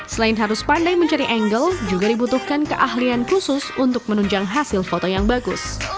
selain harus pandai mencari angle juga dibutuhkan keahlian khusus untuk menunjang hasil foto yang bagus